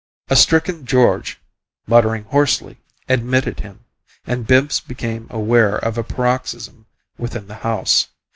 A stricken George, muttering hoarsely, admitted him, and Bibbs became aware of a paroxysm within the house.